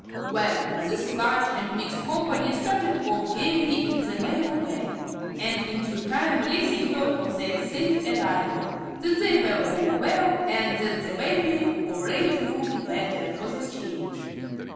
Well, this large and mixed company started off gayly in the mail bag, and in due time Lizzie heard of their safe arrival, that they were all well, and that the baby "already looked better for the change."